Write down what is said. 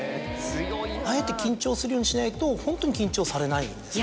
あえて緊張するようにしないとホントに緊張されないんですね。